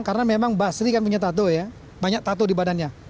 karena memang basri kan punya tato ya banyak tato di badannya